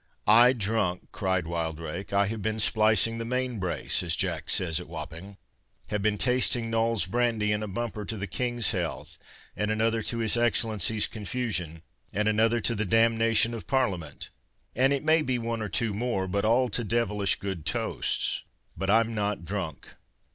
I drunk?" cried Wildrake, "I have been splicing the mainbrace, as Jack says at Wapping—have been tasting Noll's brandy in a bumper to the King's health, and another to his Excellency's confusion, and another to the d—n of Parliament—and it may be one or two more, but all to devilish good toasts. But I'm not drunk."